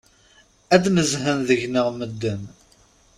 Ad d-nezhen deg-neɣ medden!